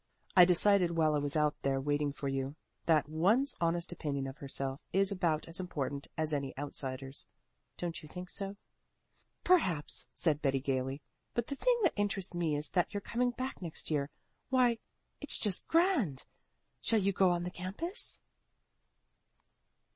I decided while I was out there waiting for you that one's honest opinion of herself is about as important as any outsider's. Don't you think so?" "Perhaps," said Betty gaily. "But the thing that interests me is that you're coming back next year. Why, it's just grand! Shall you go on the campus?"